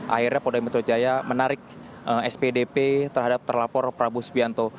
akhirnya polda metro jaya menarik spdp terhadap terlapor prabu subianto